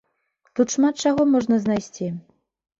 Тут шмат чаго можна знайсці.